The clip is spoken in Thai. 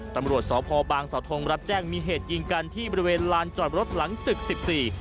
ตำรวจสพบางสาวทงรับแจ้งมีเหตุยิงกันที่บริเวณลานจอดรถหลังตึกสิบสี่